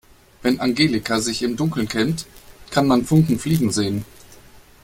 Wenn Angelika sich im Dunkeln kämmt, kann man Funken fliegen sehen.